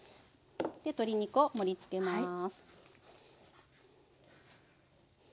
で鶏肉を盛りつけます。